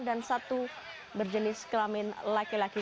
dan satu berjenis kelamin laki laki